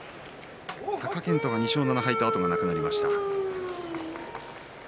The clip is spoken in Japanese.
貴健斗が２勝７敗と後がなくなりました。